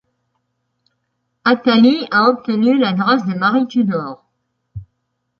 Athalie a obtenu la grâce de Marie Tudor.